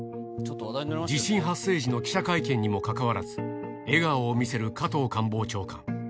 地震発生時の記者会見にもかかわらず、笑顔を見せる加藤官房長官。